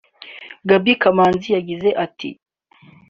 Gaby Kamanzi yagize ati